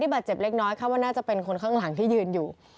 บาดเจ็บเล็กน้อยค่ะว่าน่าจะเป็นคนข้างหลังที่ยืนอยู่